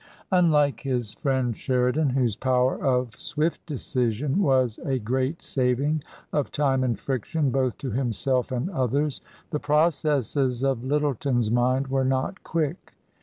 Unlike his friend Sheridan — whose power of swift decision was a great saving of time and friction both to himself and others — the processes of Lyttleton's mind were not quick.